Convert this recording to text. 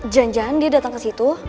jangan jangan dia dateng ke situ